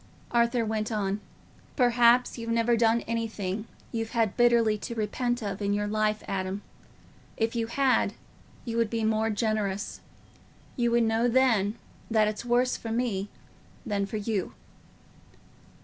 Arthur went on, "Perhaps you've never done anything you've had bitterly to repent of in your life, Adam; if you had, you would be more generous. You would know then that it's worse for me than for you."